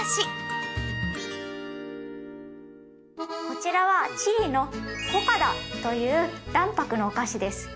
こちらはチリのコカダという卵白のお菓子です。